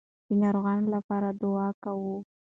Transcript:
د ناروغانو لپاره دعا کوئ.